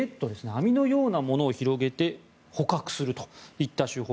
網のようなものを広げて捕獲するといった手法。